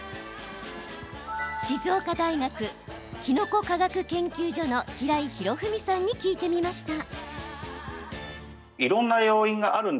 静岡大学キノコ科学研究所の平井浩文さんに聞いてみました。